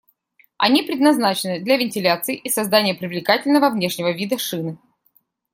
Они предназначены для вентиляции и создания привлекательного внешнего вида шины.